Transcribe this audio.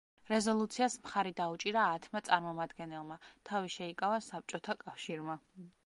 რეზოლუციას მხარი დაუჭირა ათმა წარმომადგენელმა; თავი შეიკავა საბჭოთა კავშირმა.